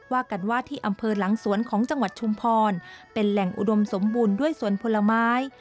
ว่ากันว่าที่อำเภอหลังสวนของจังหวัดชุมพรเป็นแหล่งอุดมสมบูรณ์ด้วยสวนผลไม้